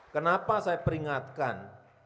kenapa saya peringatkan